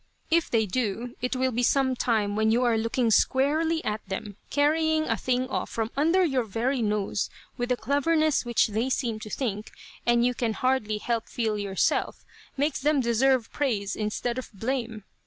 If they do, it will be sometime when you are looking squarely at them, carrying a thing off from under your very nose with a cleverness which they seem to think, and you can hardly help feel yourself, makes them deserve praise instead of blame.